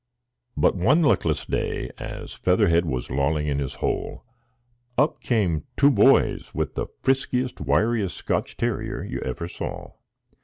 But one luckless day, as Featherhead was lolling in his hole, up came two boys with the friskiest, wiriest Scotch terrier you ever saw.